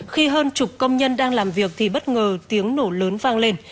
khi hơn chục công nhân đang làm việc thì bất ngờ tiếng nổ lớn vang lên